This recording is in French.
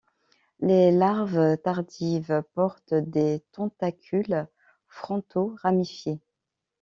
Les larves tardives portent des tentacules frontaux ramifiés.